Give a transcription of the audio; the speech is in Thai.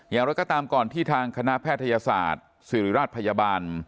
อย่างไรก็ตามก่อนที่ทางคณะแพทยศาสตร์ศิริราชพยาบาล